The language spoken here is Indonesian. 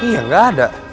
iya gak ada